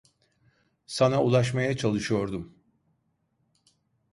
Sana ulaşmaya çalışıyordum.